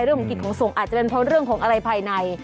เรื่องของกิจของส่งอาจจะเป็นเพราะเรื่องของอะไรภายใน